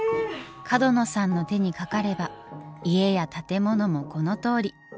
角野さんの手にかかれば家や建物もこのとおり。